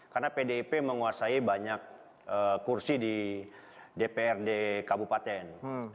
karena pdip menguasai banyak kursi di dpr di kabupaten